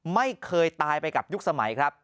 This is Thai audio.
ไม่เคยตายไปกับยุคสมัยครับ